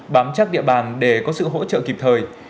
bám chắc địa bàn để có sự hỗ trợ kịp thời